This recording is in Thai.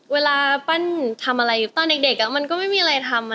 ปั้นทำอะไรอยู่ตอนเด็กมันก็ไม่มีอะไรทำ